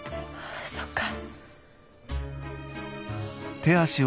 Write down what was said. そっか。